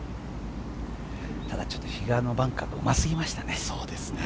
ただちょっと比嘉のバンカーがうますぎましたね。